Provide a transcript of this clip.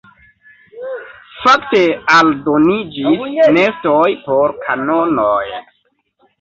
Fakte aldoniĝis nestoj por kanonoj.